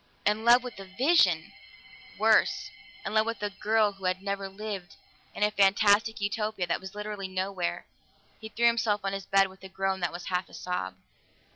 In love with a vision! Worse in love with a girl who had never lived, in a fantastic Utopia that was literally nowhere! He threw himself on his bed with a groan that was half a sob.